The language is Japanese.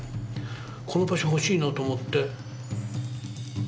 この場所欲しいなと思って。